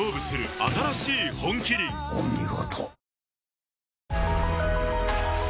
お見事。